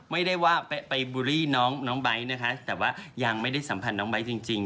ไม่ได้ว่าไปบูลลี่น้องไบท์นะคะแต่ว่ายังไม่ได้สัมผัสน้องไบท์จริง